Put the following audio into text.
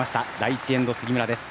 第１エンド、杉村。